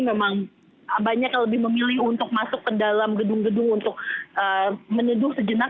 memang banyak yang lebih memilih untuk masuk ke dalam gedung gedung untuk menyeduh sejenak